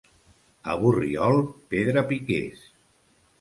A Borriol, pedrapiquers.